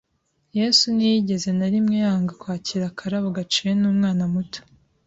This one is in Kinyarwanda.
Yesu ntiyigeze na rimwe yanga kwakira akarabo gaciwe n'umwana muto,